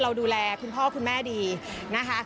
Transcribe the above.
เราดูแลคุณพ่อคุณแม่ดีนะคะ